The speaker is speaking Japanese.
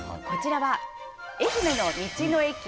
こちらは愛媛の道の駅。